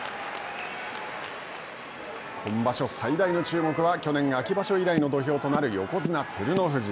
今場所最大の注目は、去年秋場所以来の土俵となる横綱・照ノ富士。